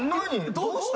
どうした？